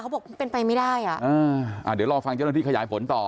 บอกเป็นไปไม่ได้อ่ะอ่าเดี๋ยวรอฟังเจ้าหน้าที่ขยายผลต่อ